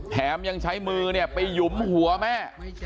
แถมยังใช้มือไปหยุมหัวแม่